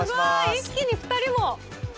一気に２人も。